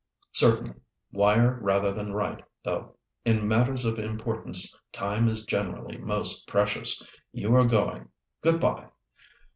"Certainly; wire rather than write, though; in matters of importance time is generally most precious. You are going; good bye!